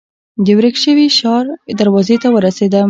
د ورک شوي ښار دروازې ته ورسېدم.